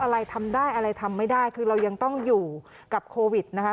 อะไรทำได้อะไรทำไม่ได้คือเรายังต้องอยู่กับโควิดนะคะ